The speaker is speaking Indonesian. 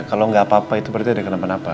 kalau nggak apa apa itu berarti ada kenapa napa